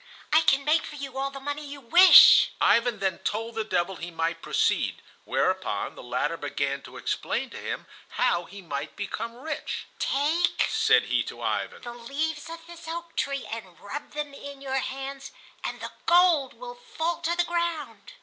"I can make for you all the money you wish." Ivan then told the devil he might proceed, whereupon the latter began to explain to him how he might become rich. "Take," said he to Ivan, "the leaves of this oak tree and rub them in your hands, and the gold will fall to the ground."